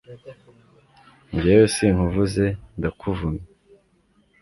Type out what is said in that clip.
jyewe sinkuvuze ndakuvumye